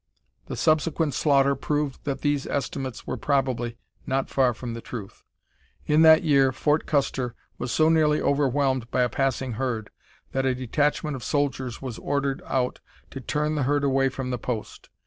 The subsequent slaughter proved that these estimates were probably not far from the truth. In that year Fort Custer was so nearly overwhelmed by a passing herd that a detachment of soldiers was ordered out to turn the herd away from the post.